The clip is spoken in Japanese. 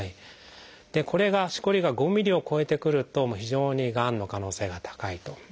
これがしこりが５ｍｍを超えてくると非常にがんの可能性が高いと。